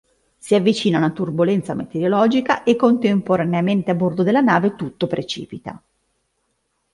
Si avvicina una turbolenza meteorologica e contemporaneamente a bordo della nave tutto precipita.